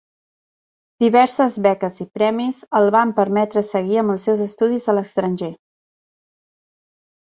Diverses beques i premis el van permetre seguir amb els seus estudis a l'estranger.